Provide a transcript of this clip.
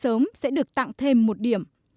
trường tạ quang bửu sẽ được tặng thêm một điểm